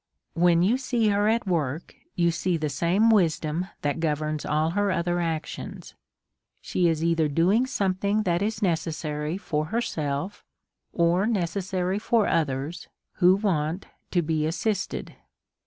When you see her at work^ you see the same wis dom that governs all her other actions. She is either doing something" that is necessary for herself, or ne cessary for others v» lio want to be assisted.